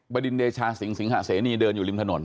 บดินเดชาสิงสิงหะเสนีเดินอยู่ริมถนน